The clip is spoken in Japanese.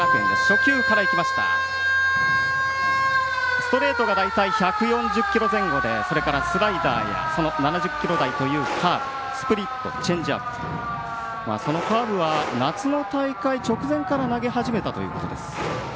ストレートが大体１４０キロ前後でそれからスライダーや７０キロ台というカーブスプリット、チェンジアップそのカーブは夏の大会直前から投げ始めたということです。